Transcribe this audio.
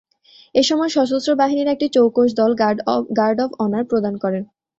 এ সময় সশস্ত্র বাহিনীর একটি চৌকস দল গার্ড অব অনার প্রদান করে।